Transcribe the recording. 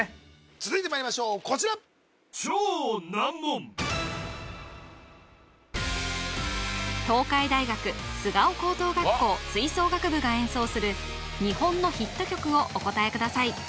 続いてまいりましょうこちら東海大学菅生高等学校吹奏楽部が演奏する日本のヒット曲をお答えください